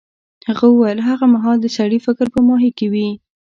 هغه وویل هغه مهال د سړي فکر په ماهي کې وي.